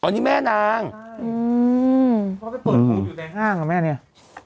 อ่อนี่แม่นางอืมเพราะเขาไปเปิดโค้กอยู่ในห้างกับแม่เนี่ย